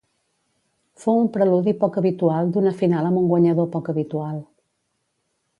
Fou un preludi poc habitual d’una final amb un guanyador poc habitual.